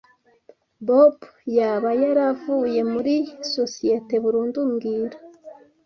Bob yaba yaravuye muri sosiyete burundu mbwira